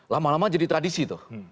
lama lama jadi tradisi tuh